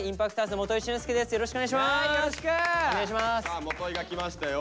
基が来ましたよ。